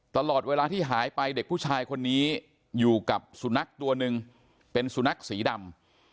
ตลอดเวลาที่หายไปเด็กผู้ชายคนนี้อยู่กับสุนัขตัวหนึ่งเป็นสุนัขสีดำ